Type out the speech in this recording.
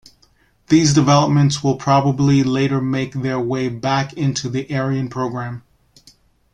These developments will probably later make their way back into the Ariane programme.